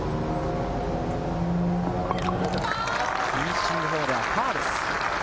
フィニッシングホールはパーです。